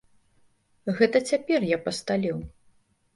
Гэта цяпер я пасталеў.